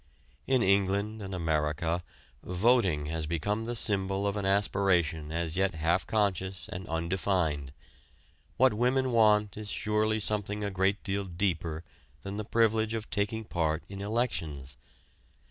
In England and America voting has become the symbol of an aspiration as yet half conscious and undefined. What women want is surely something a great deal deeper than the privilege of taking part in elections.